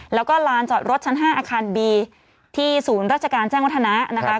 แล้วก็ลานจอดรถชั้น๕อาคารบีที่ศูนย์ราชการแจ้งวัฒนะนะคะ